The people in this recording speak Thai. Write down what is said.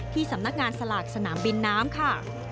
สำนักงานสลากสนามบินน้ำค่ะ